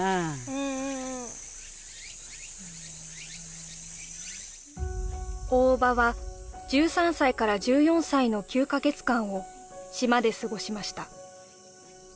うんうんうん大伯母は１３歳から１４歳の９か月間を島ですごしました